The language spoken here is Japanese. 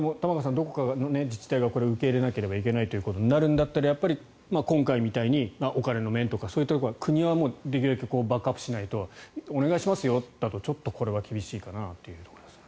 どこかの自治体がこれを受け入れなければいけないということになるんだったら今回みたいにお金の面とかそういったところは国はもう、できるだけバックアップしないとお願いしますよだけだとちょっと、これは厳しいかなというところですね。